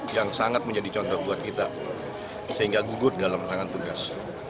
yang sangat menjadi contoh buat kita sehingga gugur dalam menangan tugas